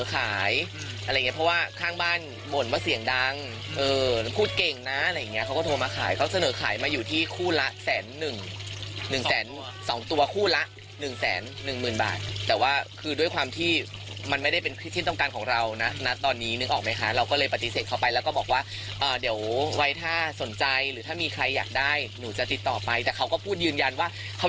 ขายอะไรอย่างเงี้เพราะว่าข้างบ้านบ่นว่าเสียงดังเออพูดเก่งนะอะไรอย่างเงี้เขาก็โทรมาขายเขาเสนอขายมาอยู่ที่คู่ละแสนหนึ่งหนึ่งแสนสองตัวคู่ละหนึ่งแสนหนึ่งหมื่นบาทแต่ว่าคือด้วยความที่มันไม่ได้เป็นที่ต้องการของเรานะตอนนี้นึกออกไหมคะเราก็เลยปฏิเสธเขาไปแล้วก็บอกว่าเดี๋ยวไว้ถ้าสนใจหรือถ้ามีใครอยากได้หนูจะติดต่อไปแต่เขาก็พูดยืนยันว่าเขา